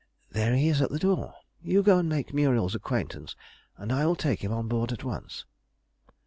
There he is at the door! You go and make Muriel's acquaintance, and I will take him on board at once."